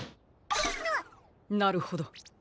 なるほど。